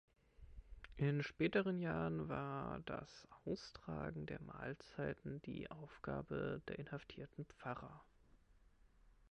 In späteren Jahren war das Austragen der Mahlzeiten die Aufgabe der inhaftierten Pfarrer.